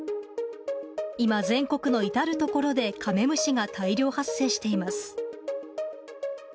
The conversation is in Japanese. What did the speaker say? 今、全国の至る所でカメムシが大量発生しています。